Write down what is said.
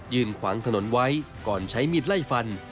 ขวางถนนไว้ก่อนใช้มีดไล่ฟัน